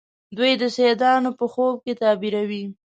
دوی د سیدانو په خوب کې تعبیروي.